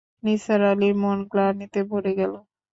নিসার আলির মন গ্লানিতে ভরে গেল।